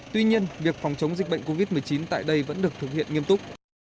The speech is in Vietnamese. tuy nhiên việc phòng chống dịch bệnh covid một mươi chín tại đây vẫn được thực hiện nghiêm túc